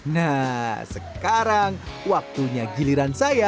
nah sekarang waktunya giliran saya